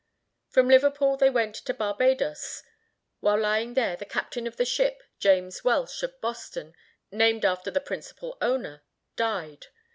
From Liverpool they went to Barbadoes. While lying there, the captain of the ship James Welch, of Boston, named after the principal owner, died.